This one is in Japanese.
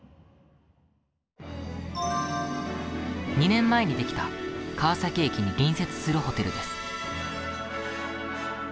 ２年前にできた川崎駅に隣接するホテルです。